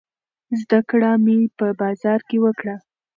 زده کړه مې په بازار کې وکړه.